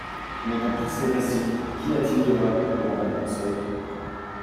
—Mais dans tous ces récits, qu'y a-t-il de vrai ? demanda Conseil.